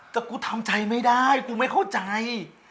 แต่กูทำใจไม่ได้กูไม่เข้าใจ